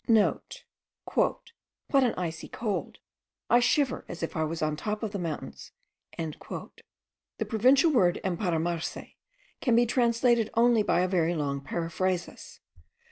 (* "What an icy cold! I shiver as if I was on the top of the mountains." The provincial word emparamarse can be translated only by a very long periphrasis.